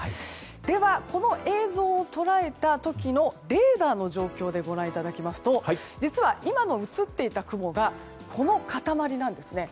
では、この映像を捉えた時のレーダーの状況でご覧いただきますと実は、今映っていた雲がこの塊なんですね。